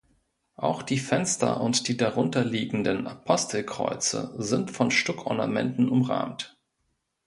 Auch die Fenster und die darunter liegenden Apostelkreuze sind von Stuckornamenten umrahmt.